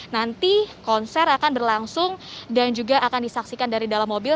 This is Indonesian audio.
nanti konser akan berlangsung dan juga akan disaksikan dari dalam mobil